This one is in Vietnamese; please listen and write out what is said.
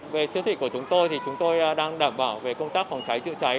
về siêu thị của chúng tôi thì chúng tôi đang đảm bảo về công tác phòng cháy chữa cháy